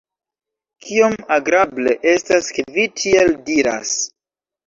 Kiom agrable estas ke vi tiel diras.